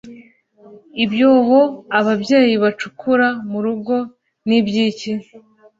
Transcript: Ibyobo ababyeyi bacukura mu rugo ni iby’iki?